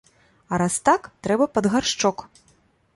А раз так, трэба пад гаршчок.